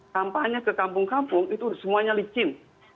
kampanye ke kampung kampung itu semuanya licin